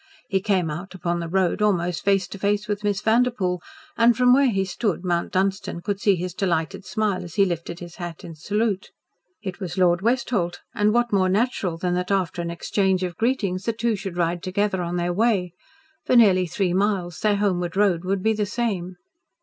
He came out upon the road almost face to face with Miss Vanderpoel, and from where he stood Mount Dunstan could see his delighted smile as he lifted his hat in salute. It was Lord Westholt, and what more natural than that after an exchange of greetings the two should ride together on their way! For nearly three miles their homeward road would be the same.